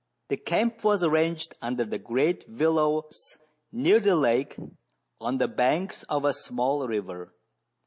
The camp was arranged under the great willows near the lake, on the banks of a small river.